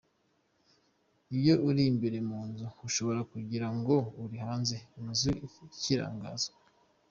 Iyo uri imbere mu nzu ushobora kugira ngo uri hanze, inzu ni ikirangarizwa.